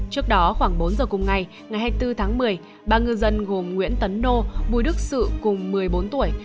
trước đó khoảng bốn giờ cùng ngày ngày hai mươi bốn tháng một mươi ba ngư dân gồm nguyễn tấn đô bùi đức sự cùng một mươi bốn tuổi